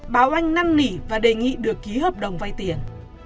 bảo anh năng nỉ và đề nghị được ký hợp đồng vay tiền